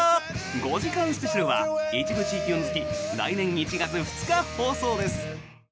５時間スペシャルは一部地域を除き来年１月２日放送です。